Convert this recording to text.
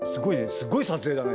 すごい撮影だね